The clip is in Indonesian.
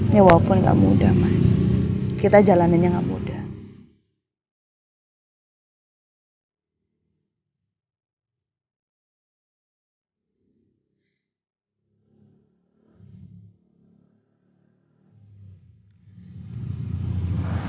ini walaupun gak mudah mas kita jalaninnya gak mudah